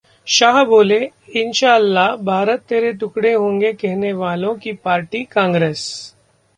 शाह बोले- इंशाल्लाह भारत तेरे टुकड़े होंगे कहने वालों की पार्टी कांग्रेस